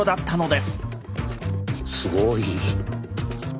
すごい！